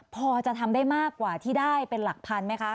พอจะทำได้มากกว่าที่ได้เป็นหลักพันไหมคะ